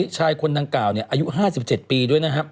ชายคนดังกล่าวอายุ๕๗ปีด้วยนะครับ